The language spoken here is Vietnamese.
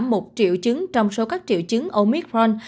một triệu chứng trong số các triệu chứng omicron